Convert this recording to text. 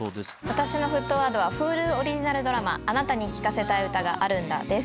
私の沸騰ワードはＨｕｌｕオリジナルドラマ『あなたに聴かせたい歌があるんだ』です。